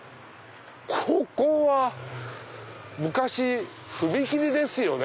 ここは昔踏切ですよね。